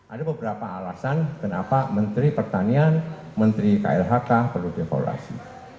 ada beberapa alasan kenapa menteri pertanian menteri klhk perlu devaluasi